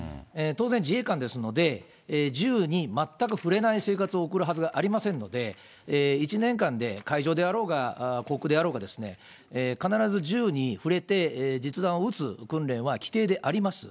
当然、自衛官ですので、銃に全く触れない生活を送るはずがありませんので、１年間で海上であろうが、航空であろうが、必ず銃に触れて、実弾を撃つ訓練は規程であります。